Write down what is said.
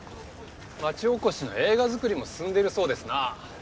町おこしの映画作りも進んでいるそうですなぁ。